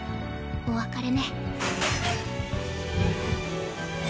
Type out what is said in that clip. お別れね。